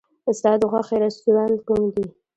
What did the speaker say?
ستا د خوښې رستورانت کوم دی؟